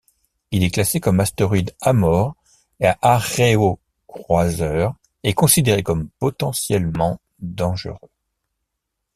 Il est classé comme astéroïde Amor et aréocroiseur et considéré comme potentiellement dangereux.